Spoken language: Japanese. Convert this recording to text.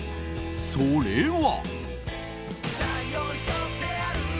それは。